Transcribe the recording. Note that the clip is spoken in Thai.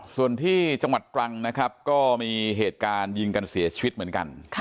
ส่วนที่จังหวัดตรังนะครับก็มีเหตุการณ์ยิงกันเสียชีวิตเหมือนกัน